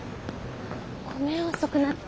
ごめん遅くなって。